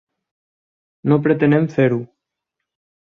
No pretenem fer-ho.